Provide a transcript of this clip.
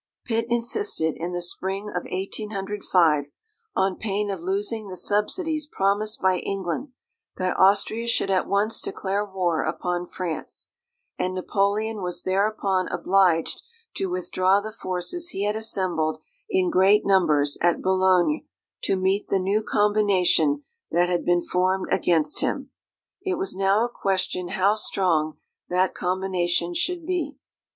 Pitt insisted, in the spring of 1805, on pain of losing the subsidies promised by England, that Austria should at once declare war upon France; and Napoleon was thereupon obliged to withdraw the forces he had assembled in great numbers at Boulogne to meet the new combination that had been formed against him. It was now a question how strong that combination should be.